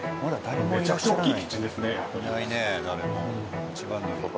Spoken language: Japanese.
めちゃくちゃ大きいキッチンですね。